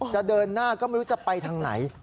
จะเดินหน้าก็ไม่รู้จะไปทางไหน